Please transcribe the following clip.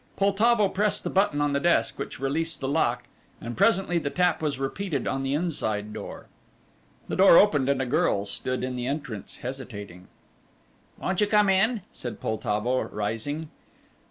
Poltavo pressed the button on the desk, which released the lock, and presently the tap was repeated on the inside door. The door opened and a girl stood in the entrance hesitating. "Won't you come in?" said Poltavo, rising.